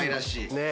ねえ。